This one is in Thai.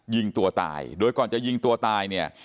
ยิงตัวตายโดยก่อนจะยิงตัวตายเนี่ย